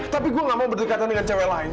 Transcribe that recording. tapi gue gak mau berdekatan dengan cewek lain